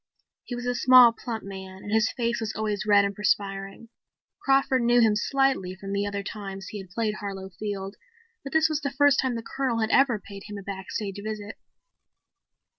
He was a small, plump man and his face was always red and perspiring. Crawford knew him slightly from the other two times he had played Harlow Field, but this was the first time the Colonel had ever paid him a backstage visit.